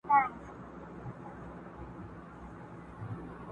ما جوړ کړی دی دربار نوم مي امیر دی.!